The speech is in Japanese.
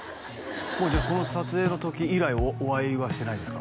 もうじゃあこの撮影の時以来お会いはしてないんですか？